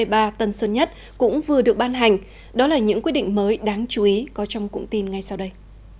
và tần xuân nhất cũng vừa được ban hành đó là những quy định mới đáng chú ý có trong cụm tin ngay sau đây